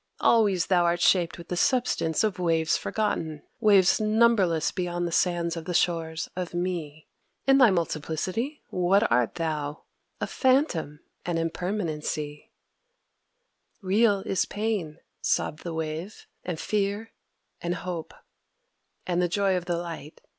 Always thou art shaped with the substance of waves forgotten, waves numberless beyond the sands of the shores of me. In thy multiplicity what art thou? a phantom, an impermanency!" "Real is pain," sobbed the Wave, "and fear and hope, and the joy of the light.